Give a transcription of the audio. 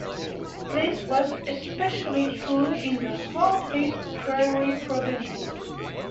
This was especially true in the hard-hit Prairie Provinces.